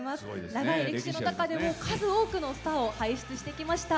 長い歴史の中でも数多くのスターを輩出してきました。